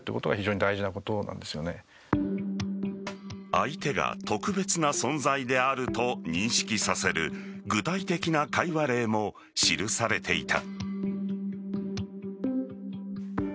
相手が特別な存在であると認識させる具体的な会話例も記されていた。